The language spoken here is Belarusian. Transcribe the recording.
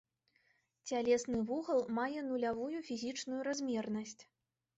Цялесны вугал мае нулявую фізічную размернасць.